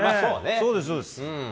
そうです、そうです。